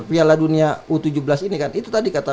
piala dunia u tujuh belas ini kan itu tadi kata